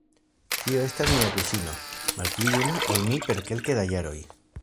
Tio estas mia kuzino, malpli juna ol mi per kelke da jaroj.